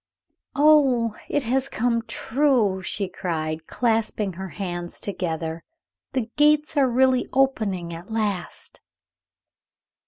"Oh, it has come true!" she cried, clasping her hands together, "The gates are really opening at last!"